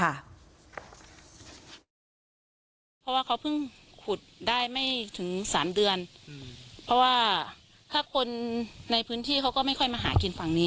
เพราะว่าเขาเพิ่งขุดได้ไม่ถึง๓เดือนเพราะว่าถ้าคนในพื้นที่เขาก็ไม่ค่อยมาหากินฝั่งนี้